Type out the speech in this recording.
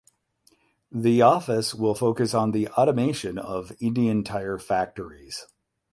The office will focus on the automation of Indian tire factories.